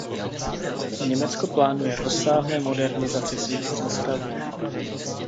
Německo plánuje rozsáhlé modernizace svých přístavů.